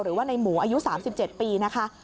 หรือว่าในหมูอายุ๓๗ปีนะคะ